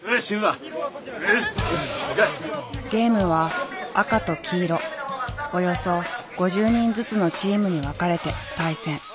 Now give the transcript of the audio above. ゲームは赤と黄色およそ５０人ずつのチームに分かれて対戦。